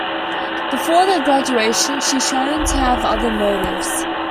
Before the graduation, she's shown to have other motives.